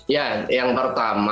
ya yang pertama